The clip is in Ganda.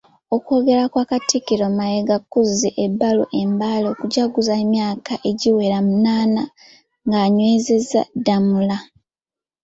Okwogera kwa Katikkiro Mayiga kuzze ebula mbale okujaguza emyaka egiwera munaana ng'anywezezza Ddamula